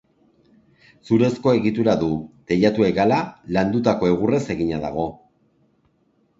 Zurezko egitura du, teilatu hegala, landutako egurrez egina dago.